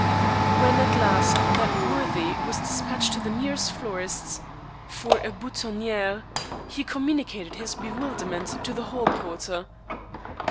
When at last that worthy was despatched to the nearest florist's for a boutonniere, he communicated his bewilderment to the hall porter.